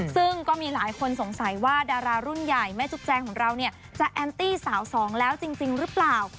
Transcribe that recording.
ซึ่งก็มีหลายคนสงสัยว่าดารารุ่นใหญ่แม่จุ๊บแจงของเราเนี่ยจะแอนตี้สาวสองแล้วจริงหรือเปล่า